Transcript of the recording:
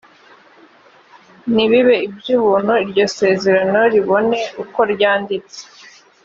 ntibibe iby ‘ubuntu iryo sezerano ribone ukoryanditse.